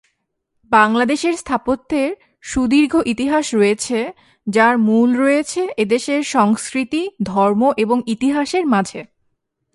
বাংলাদেশের স্থাপত্যের সুদীর্ঘ ইতিহাস রয়েছে যার মূল রয়েছে এদেশের সংস্কৃতি, ধর্ম এবং ইতিহাসের মাঝে।